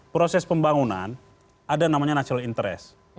proses pembangunan ada namanya national interest